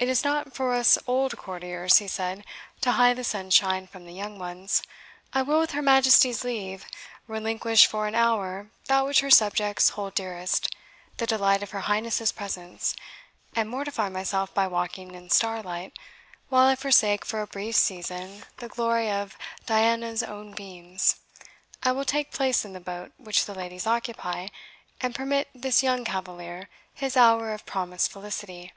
"It is not for us old courtiers," he said, "to hide the sunshine from the young ones. I will, with her Majesty's leave, relinquish for an hour that which her subjects hold dearest, the delight of her Highness's presence, and mortify myself by walking in starlight, while I forsake for a brief season the glory of Diana's own beams. I will take place in the boat which the ladies occupy, and permit this young cavalier his hour of promised felicity."